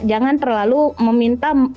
jangan terlalu meminta kesempurnaan